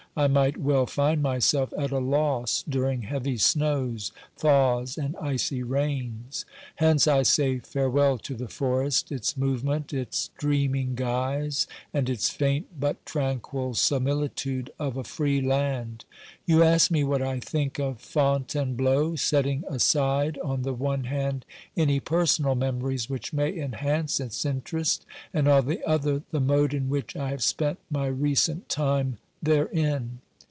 I might well find myself at a loss during heavy snows, thaws and icy rains. Hence I say farewell to the forest, its movement, its dreaming guise and its faint but tranquil similitude of a free land. You ask me what I think of Fontainebleau, setting aside, on the one hand, any personal memories which may enhance its interest, and, on the other, the mode in which I have spent my recent time therein.